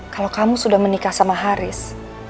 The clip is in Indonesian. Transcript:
kalau kamu sudah menikah sama haris